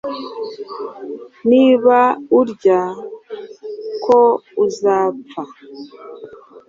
niba urya ko uzapfa